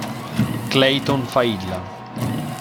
Clayton Failla